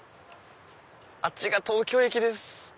あっちが東京駅です。